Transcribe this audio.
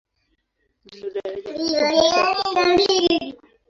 Ndilo daraja kubwa katika Afrika ya Mashariki.